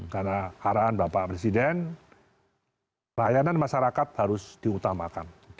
karena arahan bapak presiden layanan masyarakat harus diutamakan